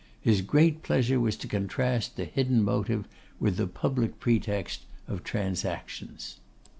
His great pleasure was to contrast the hidden motive, with the public pretext, of transactions.